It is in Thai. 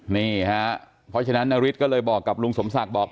นี่ฮะเพราะฉะนั้นนาริสก็เลยบอกกับลุงสมศักดิ์บอก